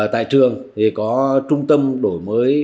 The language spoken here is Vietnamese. tại trường có trung tâm đổi mới